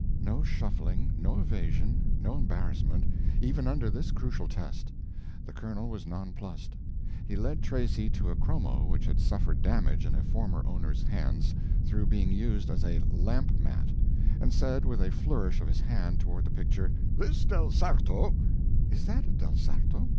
No shuffling, no evasion, no embarrassment, even under this crucial test. The Colonel was nonplussed. He led Tracy to a chromo which had suffered damage in a former owner's hands through being used as a lamp mat, and said, with a flourish of his hand toward the picture— "This del Sarto—" "Is that a del Sarto?"